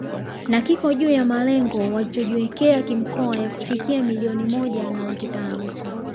Na kiko juu ya malengo walichojiwekea kimkoa ya kufikia milioni moja na laki tano